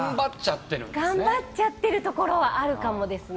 頑張っちゃってるところがあるかもですね。